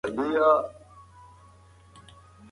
د دعا د قبلېدو لپاره له حرامو ځان وساته.